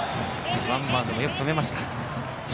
ワンバウンドでよく止めました。